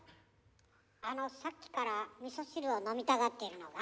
あのさっきから味噌汁を飲みたがってるのが？